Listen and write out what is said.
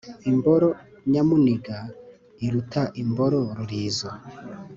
Imboro nyamuniga iruta imboro rurizo.